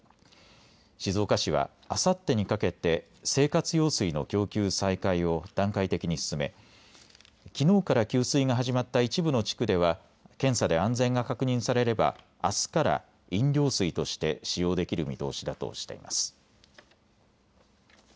静岡市は、あさってにかけて生活用水の供給再開を段階的に進めきのうから給水が始まった一部の地区では検査で安全が確認されればあすから飲料水として使用できる見通しだとしています。